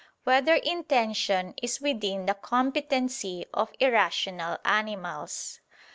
5] Whether Intention Is Within the Competency of Irrational Animals?